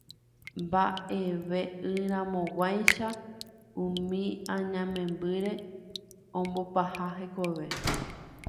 mba'eve'ỹramoguáicha umi añamembyre ombopaha hekove